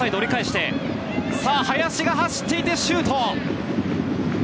林が走っていってシュート！